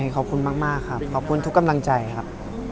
ขอบคุณมากครับขอบคุณทุกกำลังใจครับ